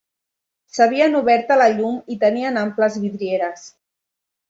S'havien obert a la llum i tenien amples vidrieres